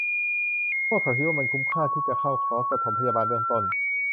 พวกเขาคิดว่ามันคุ้มค่าที่จะเข้าคอร์สปฐมพยาบาลเบื้องต้น